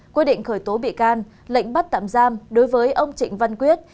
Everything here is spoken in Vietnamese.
quyết định khởi tố bị can lệnh bắt tạm giam đối với ông trịnh văn quyết